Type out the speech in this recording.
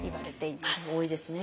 多いですね。